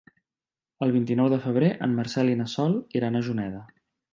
El vint-i-nou de febrer en Marcel i na Sol iran a Juneda.